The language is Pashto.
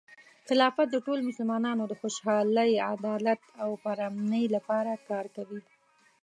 خلافت د ټولو مسلمانانو د خوشحالۍ، عدالت، او پرامنۍ لپاره کار کوي.